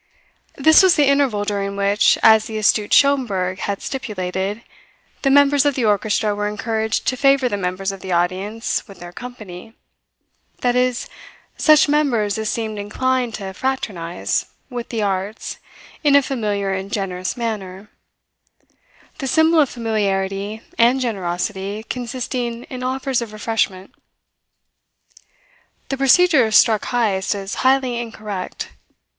This was the interval during which, as the astute Schomberg had stipulated, the members of the orchestra were encouraged to favour the members of the audience with their company that is, such members as seemed inclined to fraternize with the arts in a familiar and generous manner; the symbol of familiarity and generosity consisting in offers of refreshment. The procedure struck Heyst as highly incorrect.